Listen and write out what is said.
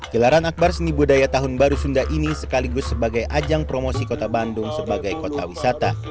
gelaran akbar seni budaya tahun baru sunda ini sekaligus sebagai ajang promosi kota bandung sebagai kota wisata